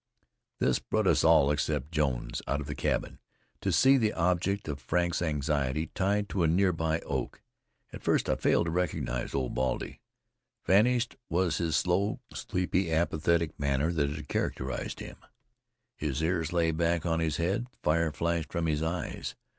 This brought us all, except Jones, out of the cabin, to see the object of Frank's anxiety tied to a nearby oak. At first I failed to recognize Old Baldy. Vanished was the slow, sleepy, apathetic manner that had characterized him; his ears lay back on his head; fire flashed from his eyes.